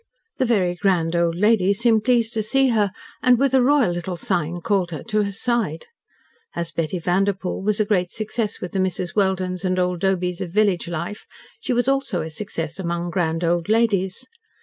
The very grand old lady seemed pleased to see her, and, with a royal little sign, called her to her side. As Betty Vanderpoel was a great success with the Mrs. Weldens and old Dobys of village life, she was also a success among grand old ladies.